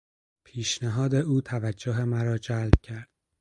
پیشنهاد او توجه مرا جلب کرد.